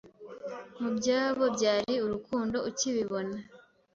Mubyabo, byari urukundo ukibona.